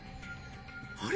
あれ？